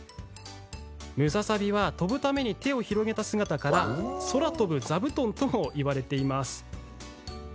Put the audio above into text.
ムササビは飛ぶために手を広げた姿から空飛ぶ座布団ともいわれています。